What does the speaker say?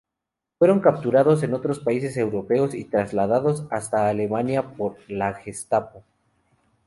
Fueron capturados en otros países europeos y trasladados hasta Alemania por la Gestapo.